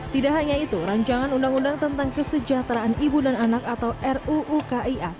tidak hanya itu rancangan undang undang tentang kesejahteraan ibu dan anak atau ruu kia